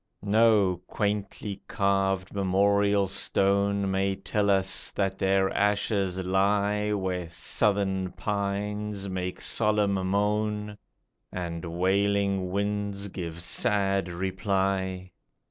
No quaintly carved memorial stone May tell us that their ashes lie 74 SUPPLICAMUS Where southern pines make solemn moan, And wailing winds give sad reply.